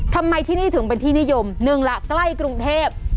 ทำไมที่นี่ถึงเป็นที่นิยมหนึ่งล่ะใกล้กรุงเทพ